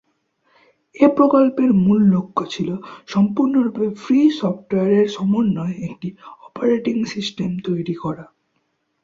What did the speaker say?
এ প্রকল্পের মূল লক্ষ্য ছিল সম্পূর্ণরূপে ফ্রি সফটওয়্যারের সমন্বয়ে একটি অপারেটিং সিস্টেম তৈরী করা।